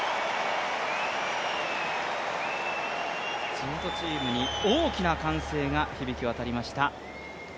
地元チームに大きな歓声が響き渡りました。